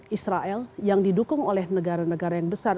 israel yang didukung oleh negara negara yang besar